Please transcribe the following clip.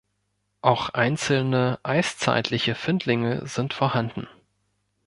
Auch einzelne eiszeitliche Findlinge sind vorhanden.